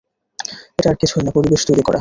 এটা আর কিছুই না, পরিবেশ তৈরি করা।